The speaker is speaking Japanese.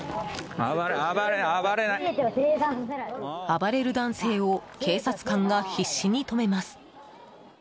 暴れる男性を警察官が必死に止めます。